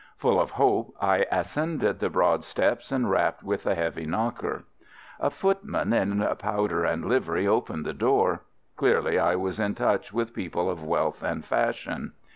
Full of hope, I ascended the broad steps and rapped with the heavy knocker. A footman in powder and livery opened the door. Clearly I was in touch with people of wealth and fashion.